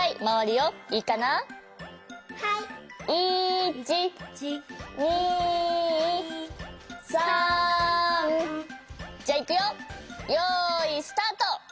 よいスタート！